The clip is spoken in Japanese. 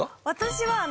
私は。